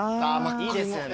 いいですね。